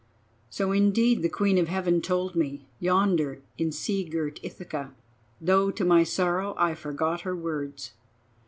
So indeed the Queen of Heaven told me, yonder in sea girt Ithaca, though to my sorrow I forgot her words.